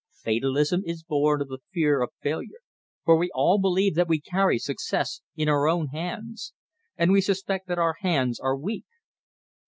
Fatalism is born of the fear of failure, for we all believe that we carry success in our own hands, and we suspect that our hands are weak.